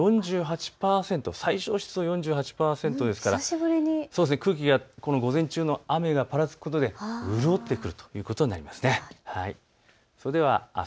最小湿度４８％ですから午前中の雨がぱらつくことで空気が潤ってくるということになりそうです。